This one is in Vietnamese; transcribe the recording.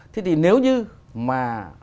thế thì nếu như mà